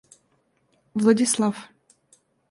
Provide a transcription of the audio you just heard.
Владислав